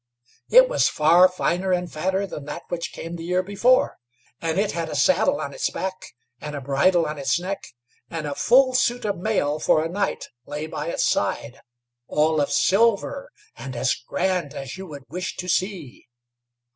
It was far finer and fatter than that which came the year before, and it had a saddle on its back, and a bridle on its neck, and a full suit of mail for a knight lay by its side, all of silver, and as grand as you would wish to see.